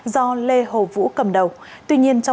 do lê hồ vũ cầm đầu